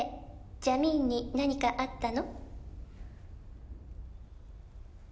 ジャミーンに何かあったの？」